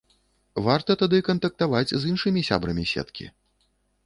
Варта тады кантактаваць з іншымі сябрамі сеткі.